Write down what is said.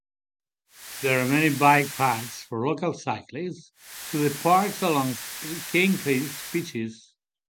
There are many bike paths for local cyclists through the parks along Kingscliff's beaches.